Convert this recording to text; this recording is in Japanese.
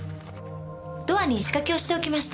ドアに仕掛けをしておきました。